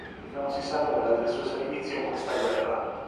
Non si sa nulla del suo servizio in questa guerra.